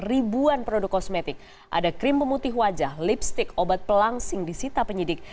ribuan produk kosmetik ada krim pemutih wajah lipstick obat pelangsing disita penyidik